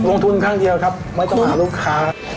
ต้องลงทุนค้างเดี่ยวครับไม่ต้องหาลูกค้า